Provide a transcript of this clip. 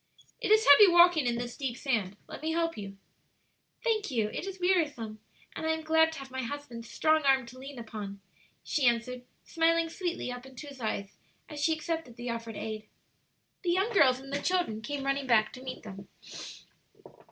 "It is heavy walking in this deep sand; let me help you." "Thank you; it is wearisome, and I am glad to have my husband's strong arm to lean upon," she answered, smiling sweetly up into his eyes as she accepted the offered aid. The young girls and the children came running back to meet them.